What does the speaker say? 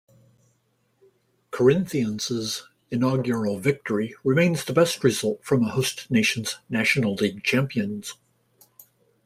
Corinthians' inaugural victory remains the best result from a host nation's national league champions.